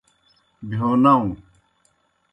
بہیو ناؤں۔